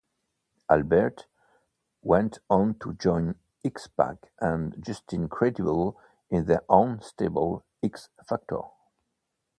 Albert went on to join X-Pac and Justin Credible in their own stable, X-Factor.